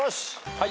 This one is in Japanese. はい。